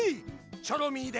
チョロミーで。